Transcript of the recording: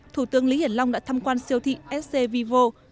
thủ tướng lý hiển long đã thăm quan siêu thị sc vivo